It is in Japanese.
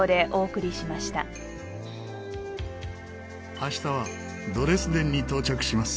明日はドレスデンに到着します。